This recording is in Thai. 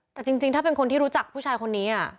แต่จริงถ้าเป็นคนที่รู้จักผู้ชายคนนี้